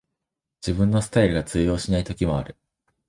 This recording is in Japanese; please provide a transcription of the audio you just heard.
自分のスタイルが通用しない時もある